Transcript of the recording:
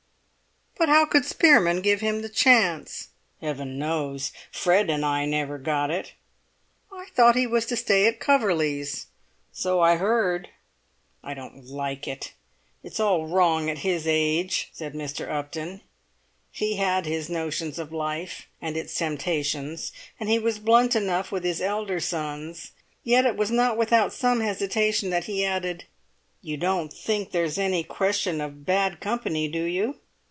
"But how could Spearman give him the chance?" "Heaven knows! Fred and I never got it." "I thought he was to stay at Coverley's?" "So I heard." "I don't like it! It's all wrong at his age," said Mr. Upton. He had his notions of life and its temptations, and he was blunt enough with his elder sons, yet it was not without some hesitation that he added: "You don't think there's any question of bad company, do you?"